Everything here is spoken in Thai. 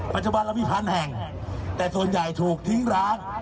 ปัจจุบันเรามีพันแห่งแต่ส่วนใหญ่ถูกทิ้งร้าน